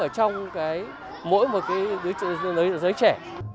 ở trong cái mỗi một cái giới trẻ